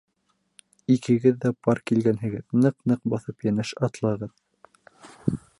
Икегеҙ ҙә пар килгәнһегеҙ, Ныҡ-ныҡ баҫып йәнәш атлағыҙ.